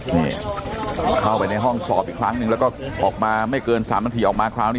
นี่เข้าไปในห้องสอบอีกครั้งหนึ่งแล้วก็ออกมาไม่เกิน๓นาทีออกมาคราวนี้